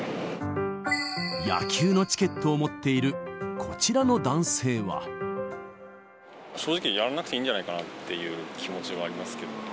野球のチケットを持っている正直、やらなくていいんじゃないかなという気持ちはありますけど。